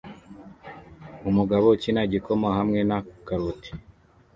Umugabo ukina igikoma hamwe na karoti